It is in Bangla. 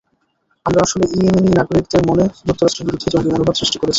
আমরা আসলে ইয়েমেনি নাগরিকদের মনে যুক্তরাষ্ট্রের বিরুদ্ধে জঙ্গি মনোভাব সৃষ্টি করছি।